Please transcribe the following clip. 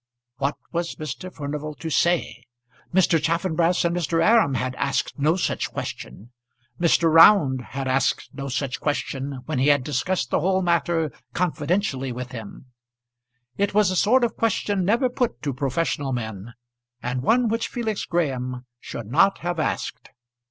What was Mr. Furnival to say? Mr. Chaffanbrass and Mr. Aram had asked no such question. Mr. Round had asked no such question when he had discussed the whole matter confidentially with him. It was a sort of question never put to professional men, and one which Felix Graham should not have asked.